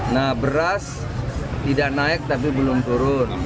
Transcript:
nah beras tidak naik tapi belum turun